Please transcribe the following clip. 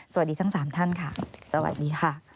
สวัสดีทั้ง๓ท่านค่ะสวัสดีค่ะ